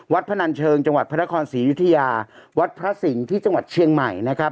พนันเชิงจังหวัดพระนครศรียุธยาวัดพระสิงห์ที่จังหวัดเชียงใหม่นะครับ